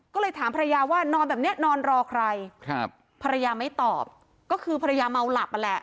ก็เลยถามภรรยาว่านอนแบบนี้นอนรอใครครับภรรยาไม่ตอบก็คือภรรยาเมาหลับนั่นแหละ